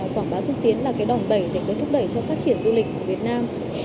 quảng bá xúc tiến là cái đòn bẩy để thúc đẩy cho phát triển du lịch của việt nam